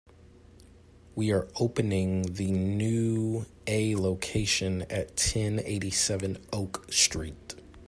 We are opening the a new location at ten eighty-seven Oak Street.